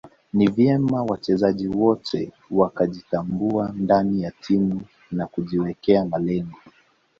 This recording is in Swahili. Ni vyema wachezaji wote wakajitambua ndani ya timu na kujiwekea malengo